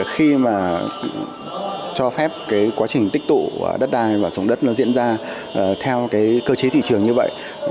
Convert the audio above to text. khi mà cho phép quá trình tích tụ đất đai và dụng đất diễn ra theo cơ chế thị trường như vậy